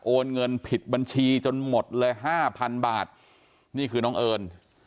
เงินผิดบัญชีจนหมดเลยห้าพันบาทนี่คือน้องเอิญ